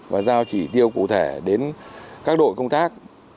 và giao chỉ tiêu cụ thể đến các đội công tác